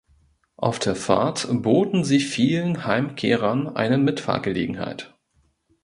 Auf der Fahrt boten sie vielen Heimkehrern eine Mitfahrgelegenheit.